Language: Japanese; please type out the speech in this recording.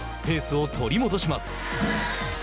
ペースを取り戻します。